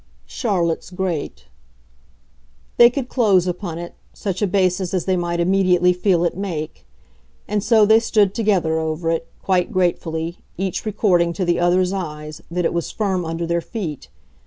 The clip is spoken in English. "Charlotte's great." They could close upon it such a basis as they might immediately feel it make; and so they stood together over it, quite gratefully, each recording to the other's eyes that it was firm under their feet.